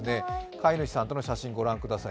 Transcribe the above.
飼い主さんとの写真、ご覧ください